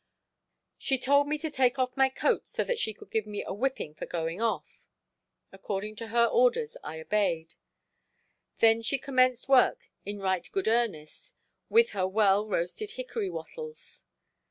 She told me to take off my coat so that she could give me a whipping for going off. According to her orders I obeyed; then she commenced work in right good earnest with her well roasted hickory wottels.